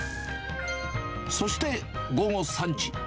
そして、午後３時。